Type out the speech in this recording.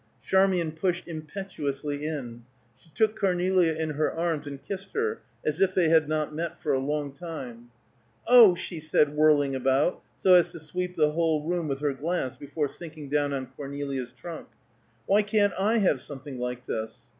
Charmian pushed impetuously in. She took Cornelia in her arms and kissed her, as if they had not met for a long time. "Oh," she said, whirling about, so as to sweep the whole room with her glance, before sinking down on Cornelia's trunk, "why can't I have something like this?